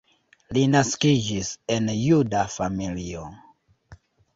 Li naskiĝis en juda familio.